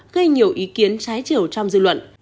gây nhiều ý kiến trái chiều trong dư luận